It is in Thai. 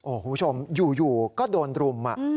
คุณผู้ชมอยู่ก็โดนรุม